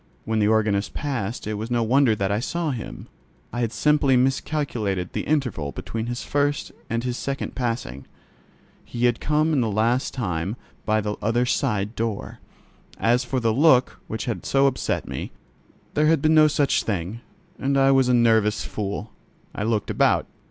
When the organist passed it was no wonder that I saw him: I had simply miscalculated the interval between his first and his second passing. He had come in that last time by the other side door. As for the look which had so upset me, there had been no such thing, and I was a nervous fool. I looked about.